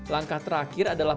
langkah terakhir adalah